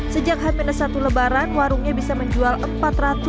sejak hampir satu lebaran warungnya bisa dihidupkan